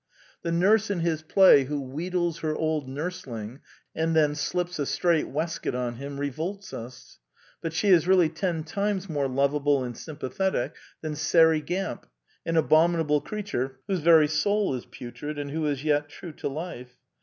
The nurse in his play who wheedles her old nursling and then slips a strait waistcoat on him revolts us; but she is really ten times more lovable and sympathetic than Sairey Gamp, an abominable creature whose very soul is putrid, and who is yet true to life.